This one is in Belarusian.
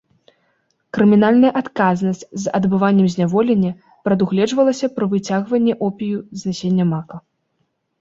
Крымінальная адказнасць з адбываннем зняволення прадугледжвалася пры выцягванні опію з насення мака.